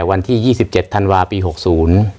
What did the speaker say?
วันที่๒๑ธันวาศีลปี๖๐